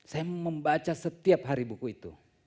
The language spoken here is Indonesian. saya membaca setiap hari buku itu